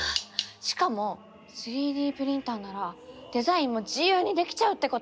しかも３Ｄプリンターならデザインも自由にできちゃうってこと？